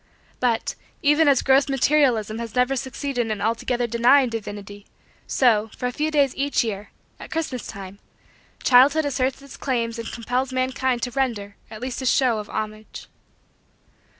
But, even as gross materialism has never succeeded in altogether denying Divinity, so, for a few days each year, at Christmas time, childhood asserts its claims and compels mankind to render, at least a show, of homage.